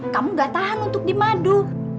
kamu gak tahan untuk dimadu